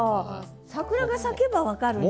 桜が咲けば分かるんだよ。